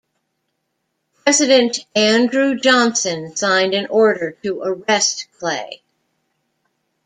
President Andrew Johnson signed an order to arrest Clay.